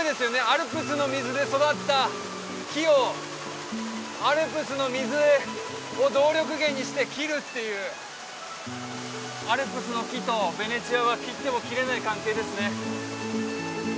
アルプスの水で育った木をアルプスの水を動力源にして切るっていうアルプスの木とヴェネツィアは切っても切れない関係ですね